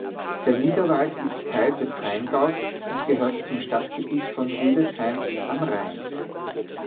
Der Niederwald ist Teil des Rheingaus und gehört zum Stadtgebiet von Rüdesheim am Rhein.